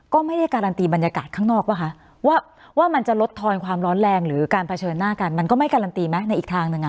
ก็ไม่ได้การันตีบรรยากาศข้างนอกป่ะคะว่ามันจะลดทอนความร้อนแรงหรือการเผชิญหน้ากันมันก็ไม่การันตีไหมในอีกทางหนึ่ง